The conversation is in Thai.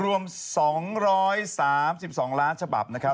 รวม๒๓๒ล้านฉบับนะครับ